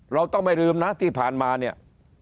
เราต้องไม่ลืมนะที่ผ่านมาเนี่ย